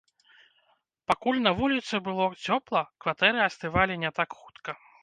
Пакуль на вуліцы было цёпла, кватэры астывалі не так хутка.